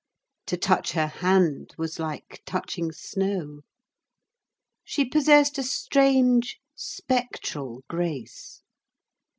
To touch her hand was like touching snow. She possessed a strange spectral grace.